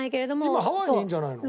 今ハワイにいるんじゃないの？